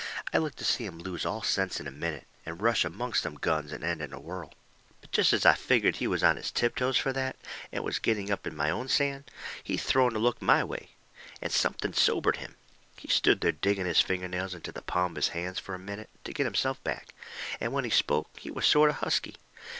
I looked to see him lose all sense in a minute, and rush amongst them guns and end it in a whirl. But jest as I figgered he was on his tiptoes fur that, and was getting up my own sand, he throwed a look my way. And something sobered him. He stood there digging his finger nails into the palms of his hands fur a minute, to get himself back. And when he spoke he was sort of husky.